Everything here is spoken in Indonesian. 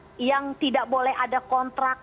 kemudian buruh yang tidak boleh ada kontrak